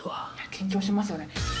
緊張しますよね。